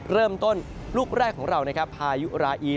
เริ่มต้นลูกแรกของเรานะครับพายุราอี